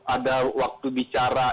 ada waktu bicara